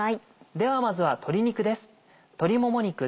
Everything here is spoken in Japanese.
ではまずは鶏肉です。